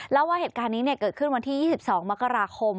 แล้วว่าเหตุการณ์นี้เกิดขึ้นวันที่๒๒มกราคม